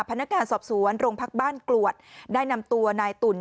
พนักงานสอบสวนโรงพักบ้านกลวดได้นำตัวนายตุ่น